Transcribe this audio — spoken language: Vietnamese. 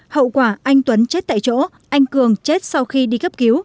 hậu quả anh tuấn chết tại chỗ anh cường chết sau khi đi cấp cứu